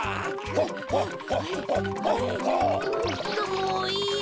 もういや。